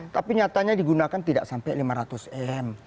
tapi nyatanya digunakan tidak sampai lima ratus m